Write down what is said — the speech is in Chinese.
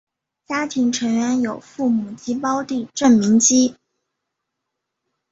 家庭成员有父母及胞弟郑民基。